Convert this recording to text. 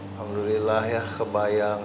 alhamdulillah ya kebayang